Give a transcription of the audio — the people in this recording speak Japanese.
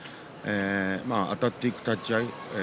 あたっていく立ち合い